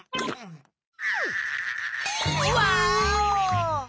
ワーオ！